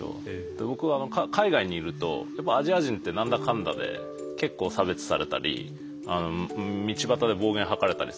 で僕は海外にいるとやっぱアジア人って何だかんだで結構差別されたり道端で暴言吐かれたりすることあるんですよ。